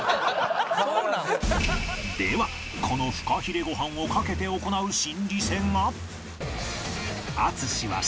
ではこのフカヒレご飯を賭けて行う心理戦が